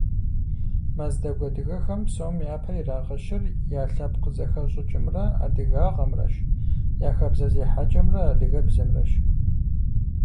Мэздэгу адыгэхэм псом япэ ирагъэщыр я лъэпкъ зэхэщӏыкӏымрэ адыгагъэмрэщ, я хабзэ зехьэкӏэмрэ адыгэбзэмрэщ.